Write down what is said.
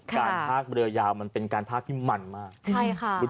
การทักเรือยาวมันเป็นการทักทิ้งหมั่นมาก